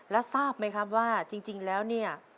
แล้วทราบไหมครับว่าจริงแล้วเนี่ย